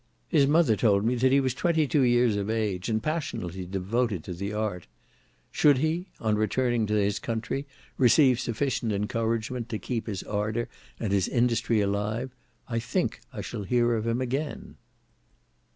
His mother told me that he was twenty two years of age, and passionately devoted to the art; should he, on returning to his country, receive sufficient encouragement to keep his ardour and his industry alive, I think I shall hear of him again.